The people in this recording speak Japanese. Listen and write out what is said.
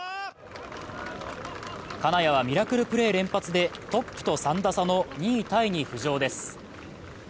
金谷はミラクルプレー連発で、トップと３打差の２位タイに浮上です。